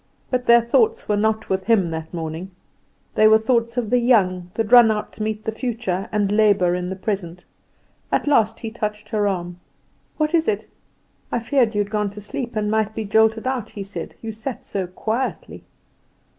But their thoughts were not with him that morning: they were the thoughts of the young, that run out to meet the future, and labour in the present. At last he touched her arm. "What is it?" "I feared you had gone to sleep and might be jolted out," he said; "you sat so quietly."